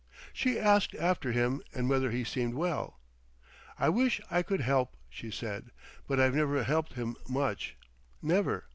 She asked after him, and whether he seemed well. "I wish I could help," she said. "But I've never helped him much, never.